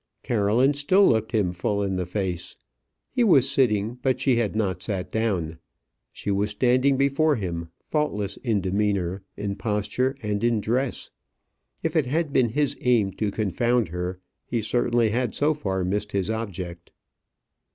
Caroline still looked him full in the face. He was sitting, but she had not sat down. She was standing before him, faultless in demeanour, in posture, and in dress. If it had been his aim to confound her, he certainly had so far missed his object.